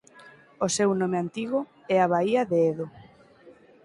O seu nome antigo é a baía de Edo.